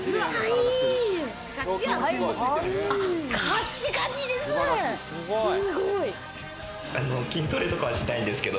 カッチカチです。